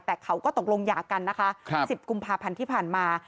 แต่เขาก็ตกลงหย่ากันนะคะ๑๐กุมภาพันธ์ที่ผ่านมา